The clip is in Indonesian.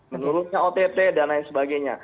menurutnya ott dan lain sebagainya